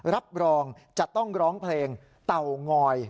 รับรองจะต้องร้องเพลงเตางอย